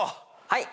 はい。